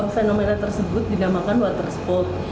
fenomena tersebut dinamakan water spot